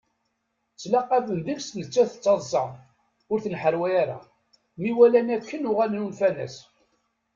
Ttlaqaben deg-s nettat tettaḍsa, ur tenḥerwa ara. Mi walan akken uɣalen unfen-as.